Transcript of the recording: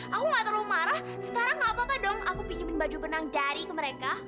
aku gak terlalu marah sekarang gak apa apa dong aku pinjamin baju benang dari ke mereka